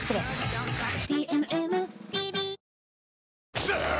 クソー！